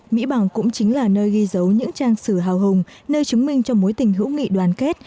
mỹ bằng cũng chính là nơi ghi dấu những trang sử hào hùng nơi chứng minh cho mối tình hữu nghị đoàn kết